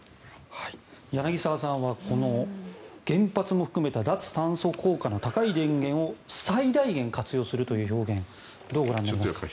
柳澤さんはこの原発も含めた脱炭素効果の高い電源を最大限活用するという表現どうご覧になりますか？